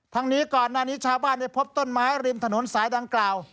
ทั้งนี้ก่อนหน้านี้ชาวบ้านได้พบต้นไม้ริมถนนสายดังกล่าว